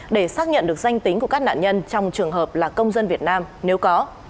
để xác nhận được danh tính của các nạn nhân trong trường hợp là công dân việt nam nếu có